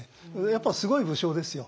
やっぱすごい武将ですよ。